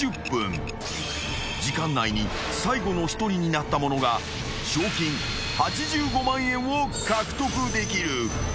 ［時間内に最後の１人になった者が賞金８５万円を獲得できる］